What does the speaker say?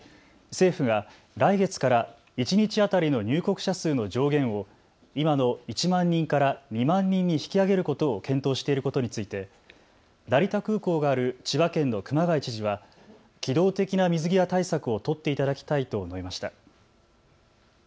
政府が来月から一日当たりの入国者数の上限を今の１万人から２万人に引き上げることを検討していることについて成田空港がある千葉県の熊谷知事は機動的な水際対策を取っていただきたいと述べました。